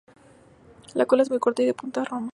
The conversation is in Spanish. La cola es muy corta y de punta roma.